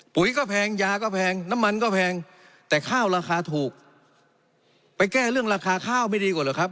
ปุ๋ยก็แพงยาก็แพงน้ำมันก็แพงแต่ข้าวราคาถูกไปแก้เรื่องราคาข้าวไม่ดีกว่าเหรอครับ